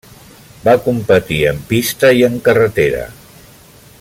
Va competir en pista i en carretera.